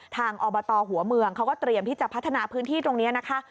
อบตหัวเมืองเขาก็เตรียมที่จะพัฒนาพื้นที่ตรงนี้นะคะ